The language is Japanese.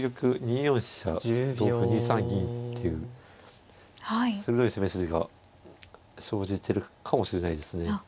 ２四飛車同歩２三銀っていう鋭い攻め筋が生じてるかもしれないですね。